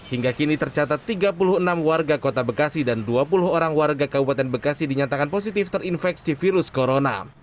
hingga kini tercatat tiga puluh enam warga kota bekasi dan dua puluh orang warga kabupaten bekasi dinyatakan positif terinfeksi virus corona